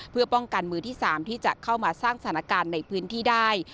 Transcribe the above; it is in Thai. เพื่อป้องกันมือที่๓ที่จะเข้ามาสร้างสถานการณ์ในพื้นที่ได้